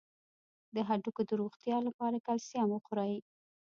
د هډوکو د روغتیا لپاره کلسیم وخورئ